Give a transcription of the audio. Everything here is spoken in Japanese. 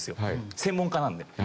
専門家なので。